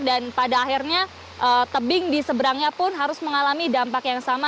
dan pada akhirnya tebing di seberangnya pun harus mengalami dampak yang sama